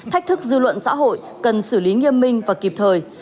thách thức dư luận xã hội cần xử lý nghiêm minh và kịp thời